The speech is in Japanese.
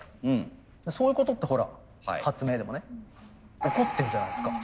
そういうことってほら発明でもね起こってるじゃないですか。